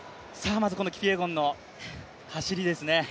まずキピエゴンの走りですね。